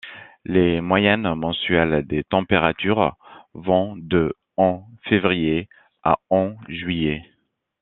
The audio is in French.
Les moyennes mensuelles des températures vont de en février à en juillet.